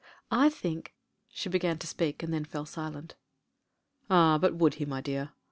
"I think " She began to speak, and then fell silent "Ah! but would he, my dear?